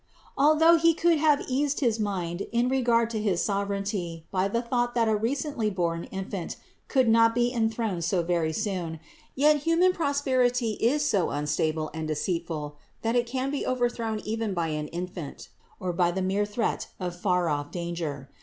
Al though he could have eased his mind in regard to his sovereignty by the thought that a recently born infant could not be enthroned so very soon, yet human pros perity is so unstable and deceitful that it can be over thrown even by an infant, or by the mere threat of far off danger.